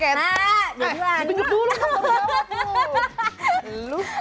kamu baru jawab tuh